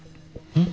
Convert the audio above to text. うん？